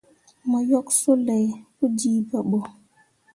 Mo yok sulay pu jiiba ɓo.